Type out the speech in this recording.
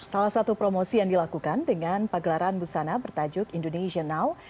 salah satu promosi yang dilakukan dengan pagelaran busana bertajuk indonesia now